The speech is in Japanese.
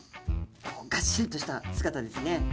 こうがっしりとした姿ですね。